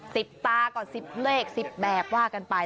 สิบตาก็สิบเลขสิบแบบว่ากันไป